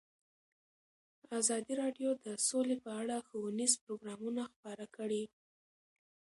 ازادي راډیو د سوله په اړه ښوونیز پروګرامونه خپاره کړي.